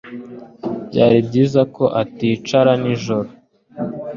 Byari byiza ko uticara nijoro.